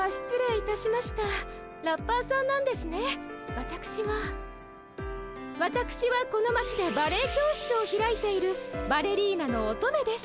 わたくしはわたくしはこの町でバレエ教室を開いているバレリーナの乙女です。